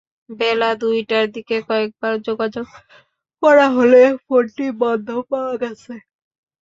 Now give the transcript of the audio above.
বেলা দুইটার দিকে কয়েকবার যোগাযোগ করা হলে ফোনটি বন্ধ পাওয়া গেছে।